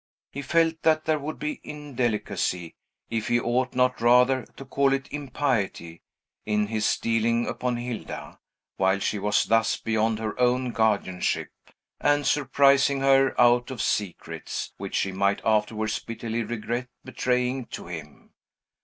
He felt that there would be indelicacy, if he ought not rather to call it impiety, in his stealing upon Hilda, while she was thus beyond her own guardianship, and surprising her out of secrets which she might afterwards bitterly regret betraying to him.